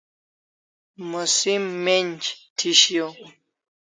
Musim men'j thi shiau